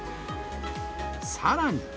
さらに。